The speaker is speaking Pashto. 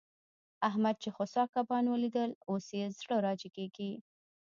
احمد چې خوسا کبان وليدل؛ اوس يې زړه را جيګېږي.